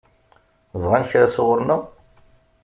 Bɣan kra sɣur-neɣ?